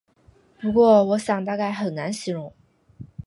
不过我想大概很难形容